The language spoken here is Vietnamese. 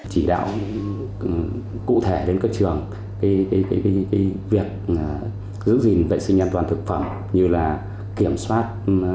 chỉ đạo cụ thể đến các trường việc giữ gìn vệ sinh an toàn thực phẩm như là kiểm soát